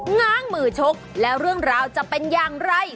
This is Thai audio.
ง้างมือชกแล้วเรื่องราวจะเป็นอย่างไร